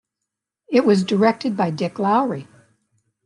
It was directed by Dick Lowry.